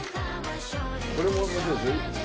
これも面白いですよ。